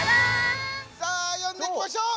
さあ読んでいきましょう！